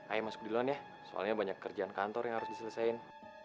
ayo masuk duluan ya soalnya banyak kerjaan kantor yang harus diselesaikan